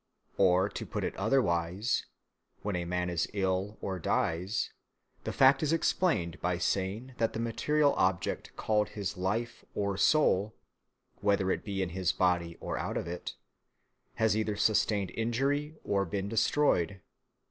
Or, to put it otherwise, when a man is ill or dies, the fact is explained by saying that the material object called his life or soul, whether it be in his body or out of it, has either sustained injury or been destroyed.